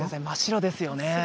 真っ白ですよね。